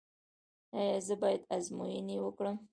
ایا زه باید ازموینې وکړم؟